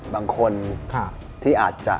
บางคนที่อาจจะ